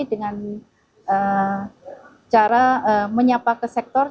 dengan cara menyapa ke sektor